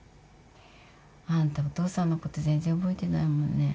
あんたお父さんのこと全然覚えてないもんね。